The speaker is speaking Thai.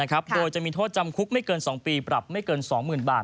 โดยจะมีโทษจำคุกไม่เกิน๒ปีปรับไม่เกิน๒๐๐๐บาท